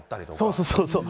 そうそうそうそう。